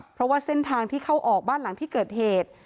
เพราะว่าเส้นทางที่เข้าออกบ้านหลังที่เกิดเหตุ